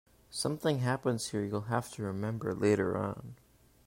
Something happens here you'll have to remember later on.